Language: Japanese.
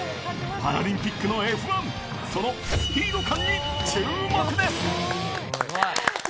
パラリンピックのＦ１、そのスピード感に注目です。